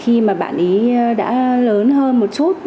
khi mà bạn ấy đã lớn hơn một chút